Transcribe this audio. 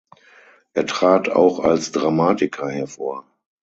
Er trat auch als Dramatiker hervor.